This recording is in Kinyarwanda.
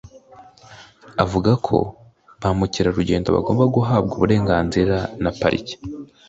Avuga ko ba mukerarugendo bagomba guhabwa uburenganzira na Pariki